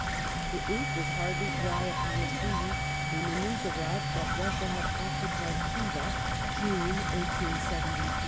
The ink was hardly dry upon the Treaty when the news arrived that Russia had occupied Khiva "^ (June, 1873).